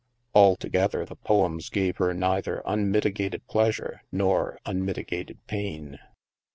Altogether, the poems gave her neither unmitigated pleasure nor unmitigated pain.